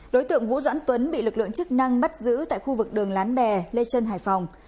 đối tượng vũ doãn tuấn bị lực lượng chức năng bắt giữ tại khu vực đường lán bè lê trân hải phòng